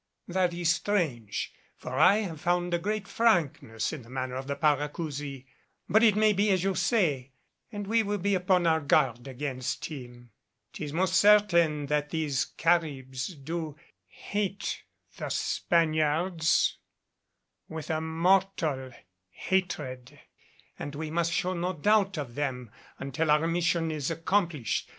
That is strange, for I have found a great frankness in the manner of the Paracousi. But it may be as you say and we will be upon our guard against him. 'Tis most certain that these Caribs do hate the Spaniards with a mortal hatred and we must show no doubt of them until our mission is accomplished.